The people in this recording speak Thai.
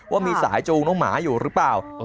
ว่ามีสายจูงน้องหมาอยู่หรือเปล่า